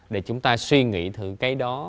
để chúng ta suy nghĩ thử cái đó